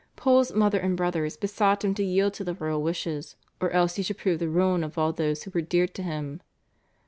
Pole's mother and brothers besought him to yield to the royal wishes, or else he should prove the ruin of all those who were dear to him.